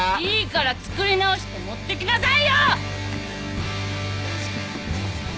いいから作り直して持ってきなさいよ！